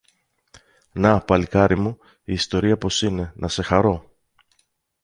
Να, παλικάρι μου, η ιστορία πώς είναι, να σε χαρώ!